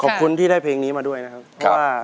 ขอบคุณที่ได้เพลงนี้มาด้วยนะครับว่า